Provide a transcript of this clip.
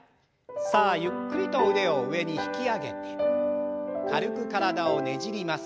さあゆっくりと腕を上に引き上げて軽く体をねじります。